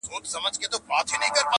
هغه د خلکو له نظره پټه ساتل کيږي هلته,